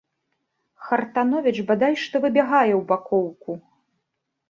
Хартановіч бадай што выбягае ў бакоўку.